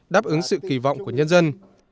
đáp ứng sự kỳ vọng của nhân dân